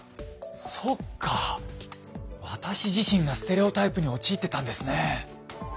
そっか私自身がステレオタイプに陥ってたんですね。